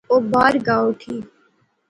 او باہر گا اوٹھی